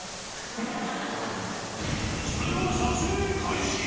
それでは撮影開始。